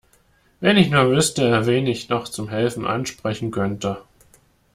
Wenn ich nur wüsste, wen ich noch zum Helfen ansprechen könnte.